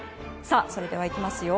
それではいきますよ！